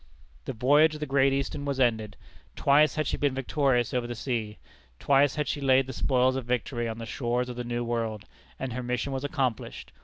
The voyage of the Great Eastern was ended. Twice had she been victorious over the sea; twice had she laid the spoils of victory on the shores of the New World, and her mission was accomplished.